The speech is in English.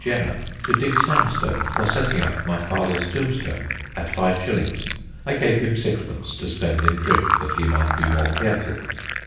Jenner to dig sandstone for setting up my father's tombstone, at 5_s._ I gave him 6_d._ to spend in drink that he might be more careful.